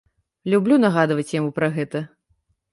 Люблю нагадваць яму пра гэта!